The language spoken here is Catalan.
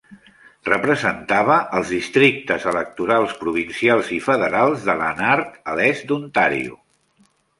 Representava els districtes electorals provincials i federals de Lanark a l'est d'Ontario.